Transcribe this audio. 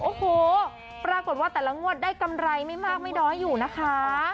โอ้โหปรากฏว่าแต่ละงวดได้กำไรไม่มากไม่น้อยอยู่นะคะ